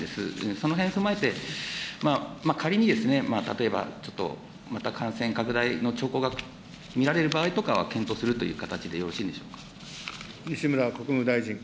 そのへん踏まえて、仮に例えばちょっと、また感染拡大の兆候が見られる場合とかは、検討するという形でよろしいんでしょうか。